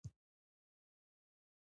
ادبي موضوعات په ماشومانو کې مینه پیدا کوي.